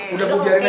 udah bu biarin aja bu